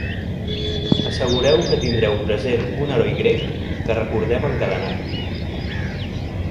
Assegureu que tindreu present un heroi grec que recordem encadenat.